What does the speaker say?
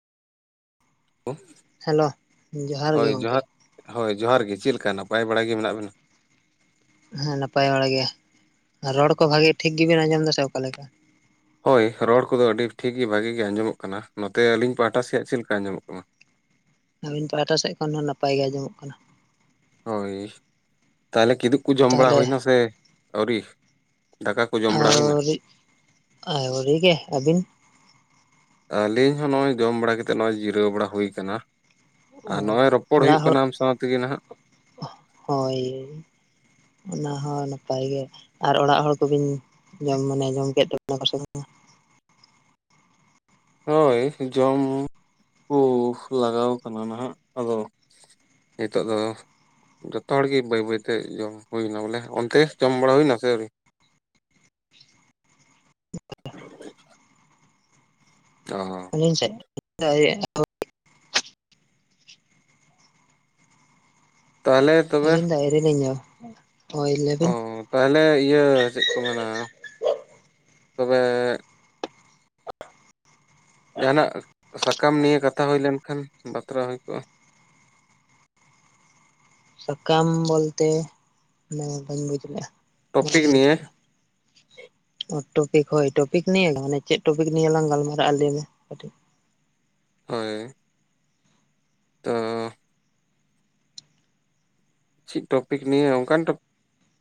Hello! Hello ᱡᱚᱦᱟᱨ ᱜᱮ ᱦᱳᱭ ᱜᱚᱝᱠᱮ ᱡᱚᱦᱟᱨ ᱦᱳᱭ ᱡᱚᱦᱟᱨ ᱜᱮ, ᱪᱮᱫ ᱞᱮᱠᱟ ᱱᱟᱯᱟᱭ ᱵᱟᱲᱟᱭ ᱜᱮ ᱢᱮᱱᱟᱜ ᱵᱮᱱᱟ? ᱦᱮᱸ ᱱᱟᱯᱟᱭ ᱵᱟᱲᱟ ᱜᱮ, ᱨᱚᱲ ᱠᱚ ᱵᱷᱟᱜᱮ ᱴᱷᱤᱠ ᱜᱮᱵᱮᱱ ᱟᱸᱡᱚᱢ ᱫᱟᱥᱮ ᱚᱠᱟᱞᱮ ᱞᱮᱠᱟ? ᱦᱳᱭ ᱨᱚᱲ ᱠᱚᱫᱚ ᱟᱹᱰᱤ ᱴᱷᱤᱠ ᱜᱮ ᱵᱷᱟᱜᱤ ᱜᱮ ᱟᱸᱡᱚᱢᱚᱜ ᱠᱟᱱᱟ ᱾ ᱱᱚᱛᱮ ᱟᱹᱞᱤᱧ ᱯᱟᱦᱴᱟ ᱥᱮᱫ ᱪᱮᱫ ᱞᱮᱠᱟ ᱟᱸᱡᱚᱢᱚᱜ ᱠᱟᱱᱟ? ᱟᱹᱞᱤᱱ ᱯᱟᱦᱟᱴᱟ ᱥᱮᱫ ᱠᱷᱚᱱ ᱦᱚᱸ ᱱᱟᱯᱟᱭ ᱜᱮ ᱟᱸᱡᱚᱢᱚᱜ ᱠᱟᱱᱟ ᱾ ᱦᱳᱭ, ᱛᱟᱦᱚᱞᱮ ᱠᱤᱫᱩᱜ ᱠᱚ ᱡᱚᱢ ᱵᱟᱲᱟ ᱛᱟᱦᱚᱞᱮ ᱦᱩᱭᱱᱟ ᱥᱮ ᱟᱹᱣᱨᱤ ᱫᱟᱠᱟ? ᱠᱚ ᱡᱚᱢ ᱵᱟᱲᱟ ᱦᱩᱭᱱᱟ? ᱟᱹᱣᱨᱤ ᱟᱹᱣᱨᱤ ᱜᱮ ᱾ ᱟᱹᱵᱤᱱ? ᱟᱹᱞᱤᱧ ᱦᱚᱸ ᱱᱚᱜᱼᱚᱭ ᱡᱚᱢ ᱵᱟᱲᱟ ᱠᱟᱛᱮᱫ ᱱᱚᱜᱼᱚᱭ ᱡᱤᱨᱟᱹᱣ ᱵᱟᱲᱟ ᱦᱩᱭ ᱟᱠᱟᱱᱟ ᱾ ᱚ ᱟᱨ ᱱᱚᱜᱼᱚᱭ ᱨᱚᱯᱚᱲ ᱚᱲᱟᱜ ᱦᱩᱭᱩᱜ ᱦᱚᱲ ᱠᱟᱱᱟ ᱟᱢ ᱥᱟᱶ ᱛᱮᱜᱮ ᱱᱟᱦᱟᱜ ᱾ ᱦᱳᱭ ᱾ ᱚᱱᱟ ᱦᱚᱸ ᱱᱟᱯᱟᱭ ᱜᱮ ᱟᱨ ᱚᱲᱟᱜ ᱦᱚᱲ ᱠᱚᱵᱤᱱ ᱡᱚᱢ ᱢᱟᱱᱮ ᱡᱚᱢ ᱠᱮᱫ ᱛᱟᱵᱚᱱᱟ ᱠᱚᱥᱮ ᱵᱟᱝ? ᱦᱳᱭ ᱡᱚᱢ ᱠᱩ ᱞᱟᱜᱟᱣ ᱠᱟᱱᱟ ᱱᱟᱦᱟᱜ ᱾ ᱟᱫᱚ ᱦᱤᱛᱚᱜ ᱫᱚ ᱡᱚᱛᱚ ᱦᱚᱲ ᱜᱮ ᱵᱟᱹᱭ ᱵᱟᱹᱭᱛᱮ ᱡᱚᱢ ᱦᱩᱭᱱᱟ ᱵᱚᱞᱮ ᱾ ᱚᱱᱛᱮ ᱡᱚᱢ ᱵᱟᱲᱟ ᱦᱩᱭᱱᱟ ᱥᱮ ᱟᱹᱣᱨᱤ? ᱚ ᱾ ᱤᱧ ᱥᱮᱫ [inaudible] ᱛᱟᱦᱚᱞᱮ ᱛᱚᱵᱮ ᱟᱞᱤᱧ ᱫᱚ ᱟᱹᱣᱨᱤ ᱞᱤᱧ ᱡᱚᱢᱟ, ᱦᱳᱭ ᱚ ᱞᱮᱭᱵᱤᱱ ᱾ ᱛᱟᱦᱚᱞᱮ ᱤᱭᱟᱹ ᱪᱮᱫ ᱠᱚ ᱢᱮᱱᱟ! ᱛᱚᱵᱮ ᱡᱟᱦᱟᱱᱟᱜ ᱥᱟᱠᱟᱢ ᱱᱤᱭᱮ ᱠᱟᱛᱷᱟ ᱦᱩᱭ ᱞᱮᱱᱠᱷᱟᱱ ᱵᱟᱛᱨᱟ ᱦᱩᱭ ᱠᱚᱜᱼᱟ ᱾ ᱥᱟᱠᱟᱢ ᱵᱚᱞᱛᱮ ᱢᱟᱱᱮ ᱵᱟᱹᱧ ᱵᱩᱡᱽ ᱞᱮᱜᱼᱟ ᱵᱟᱧ ᱴᱚᱯᱤᱠ ᱵᱩᱡᱽ ᱱᱤᱭᱮ ᱞᱮᱜᱼᱟ? ᱚ ᱴᱚᱯᱤᱠ ᱦᱳᱭ ᱴᱚᱯᱤᱠ ᱱᱤᱭᱮ ᱛᱟᱦᱚᱞᱮ ᱪᱮᱫ ᱴᱚᱯᱤᱠ ᱱᱤᱭᱞᱟᱝ ᱜᱟᱞᱢᱟᱨᱟᱜᱼᱟ ᱞᱟᱹᱭ ᱢᱮ ᱠᱟᱹᱴᱤᱡ? ᱦᱳᱭ ᱾ ᱛᱚᱻ ᱪᱮᱫ ᱴᱚᱯᱤᱠ ᱱᱤᱭᱮ ᱚᱱᱠᱟᱱ ᱴᱚᱯ